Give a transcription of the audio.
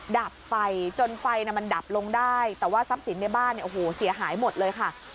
ดับไฟจนไฟมันดับลงได้แต่ว่าทรัพย์สินในบ้านเนี่ยโอ้โหเสียหายหมดเลยค่ะ